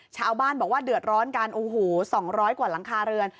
ชาวบ้านบอกว่าเดือดร้อนกันโอ้โห๒๐๐กว่าหลังคาเรือน